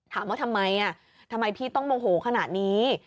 ถามว่าทำไมทำไมพี่ต้องโมโหขนาดนี้